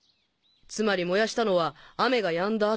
つまり燃やしたのは雨がやんだ後。